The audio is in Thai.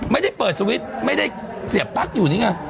ไม่ได้เปิดสวิตช์ไม่ได้เสียปั๊กอยู่นี่ไง